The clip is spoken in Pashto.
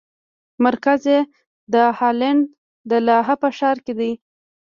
مرکز یې د هالنډ د لاهه په ښار کې دی.